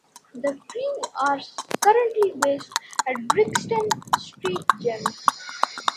The crew are currently based at Brixton Street Gym.